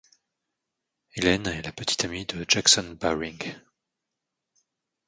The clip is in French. Helen est la petite amie de Jackson Baring.